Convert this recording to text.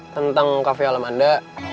tentang cafe alam anda